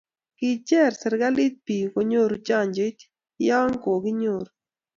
kicheer serikalit biik kunyoru chanjoit ya kokinyoru